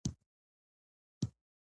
ځنګل د طبیعي شتمنۍ خزانه ده.